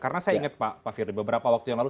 karena saya ingat pak firdy beberapa waktu yang lalu